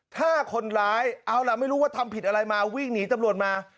ถ้าคนร้ายเอาล่ะไม่รู้ว่าทำผิดอะไรมาวิ่งหนีตำรวจมา